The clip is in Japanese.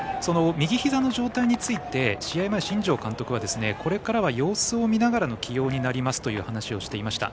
右ひざの状態について試合前、新庄監督はこれからは様子を見ながらの起用になりますと話していました。